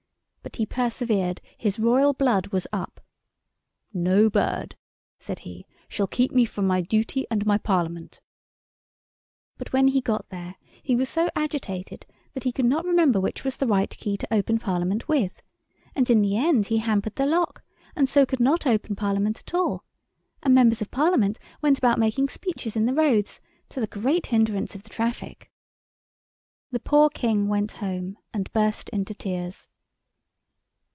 But he persevered, his royal blood was up. "No bird," said he, "shall keep me from my duty and my Parliament." But when he got there, he was so agitated that he could not remember which was the right key to open Parliament with, and in the end he hampered the lock and so could not open Parliament at all, and members of Parliament went about making speeches in the roads to the great hindrance of the traffic. The poor King went home and burst into tears.